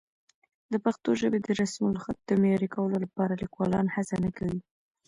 د پښتو ژبې د رسمالخط د معیاري کولو لپاره لیکوالان هڅه نه کوي.